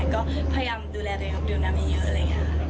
ก็พยายามดูแลด้วยครับดีกว่านั้นไม่เยอะเลยค่ะ